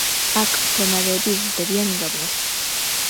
აქ მცენარეები იზრდება უდაბნოში.